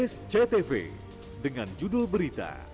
sctv dengan judul berita